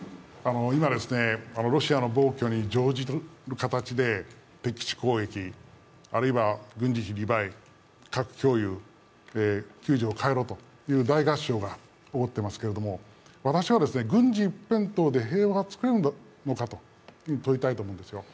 今、ロシアの暴挙に乗じる形で適地攻撃、あるいは軍事費２倍、核共有、９条を変えろという大合唱が起こっていますけれども、私は軍事一辺倒で平和は作れるのかと問いたいと思うんですよ。